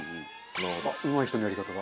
あっうまい人のやり方だ。